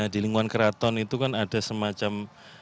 di lingwan kraton itu kan ada semacam